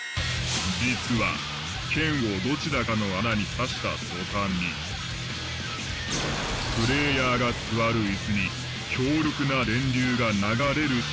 実は剣をどちらかの穴に刺した途端にプレイヤーが座る椅子に強力な電流が流れる仕掛け。